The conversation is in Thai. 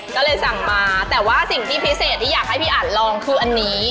ก็เลยสั่งมาแต่ว่าสิ่งที่พิเศษที่อยากให้พี่อันลองคืออันนี้